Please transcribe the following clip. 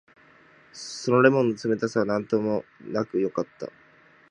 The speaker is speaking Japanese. その檸檬の冷たさはたとえようもなくよかった。